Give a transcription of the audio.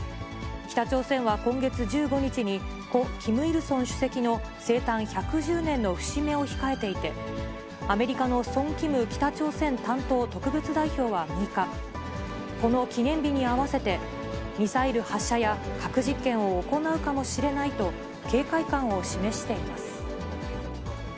北朝鮮は今月１５日に、故・キム・イルソン主席の生誕１１０年の節目を控えていて、アメリカのソン・キム北朝鮮担当特別代表は６日、この記念日に合わせて、ミサイル発射や、核実験を行うかもしれないと警戒感を示しています。